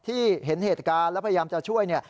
เห็นเหตุการณ์แล้วพยายามจะช่วยเนี่ย